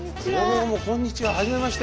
どうもこんにちははじめまして。